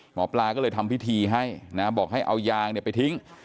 หมอปลาก็เลยทำพิธีให้นะบอกให้เอายางไปทิ้ง